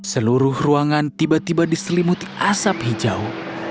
seluruh ruangan tiba tiba diselimuti asap hijau